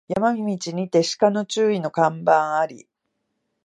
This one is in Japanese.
山道にて鹿に注意の看板あり